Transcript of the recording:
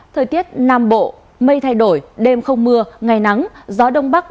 thời tiết nam bộ mây thay đổi đêm không mưa ngày nắng gió đông bắc